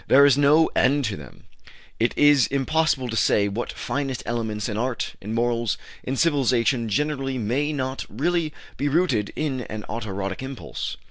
There is no end to them; it is impossible to say what finest elements in art, in morals, in civilization generally, may not really be rooted in an auto erotic impulse.